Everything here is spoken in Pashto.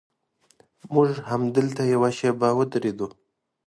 موږ همدلته یوه شېبه ودرېدو.